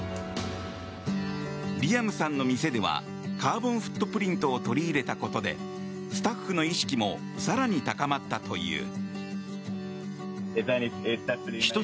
リアムさんの店ではカーボンフットプリントを取り入れたことでスタッフの意識も更に高まったという。